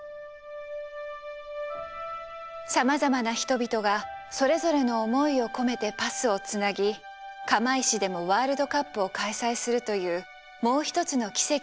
さまざまな人々がそれぞれの思いを込めてパスをつなぎ釜石でもワールドカップを開催するというもう一つの奇跡を生み出しました。